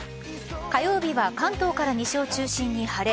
火曜日は関東から西を中心に晴れ。